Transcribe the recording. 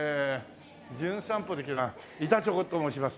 『じゅん散歩』で来た板チョコと申します。